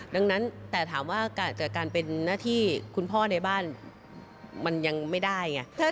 ดังนั้นแต่ถามว่าจากการเป็นหน้าที่คุณพ่อในบ้านมันยังไม่ได้ไง